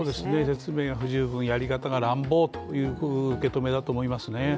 説明が不十分やり方が乱暴という受け止めだと思いますね。